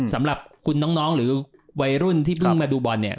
สำหรับคุณน้องหรือวัยรุ่นที่เพิ่งมาดูบอลเนี่ย